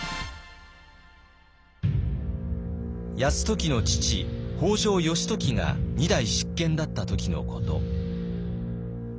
泰時の父北条義時が２代執権だった時のこと。